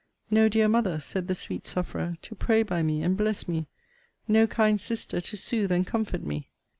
No dear mother, said the sweet sufferer, to pray by me and bless me! No kind sister to sooth and comfort me!